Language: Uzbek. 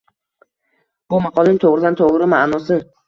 Bu maqolning to`g`ridan-to`g`ri ma`nosi